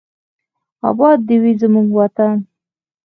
اباد دې وي زموږ وطن.